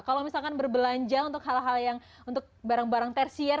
kalau misalkan berbelanja untuk hal hal yang untuk barang barang tersier